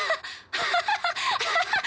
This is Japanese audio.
ハハハハ。